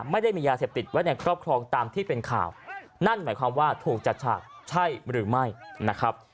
ไม่ได้มียาเสพติดไว้ในครอบครองตามที่เป็นข่าวนั่นหมายความว่าถูกจัดฉากใช่หรือไม่นะครับ